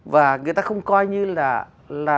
và người ta không coi như là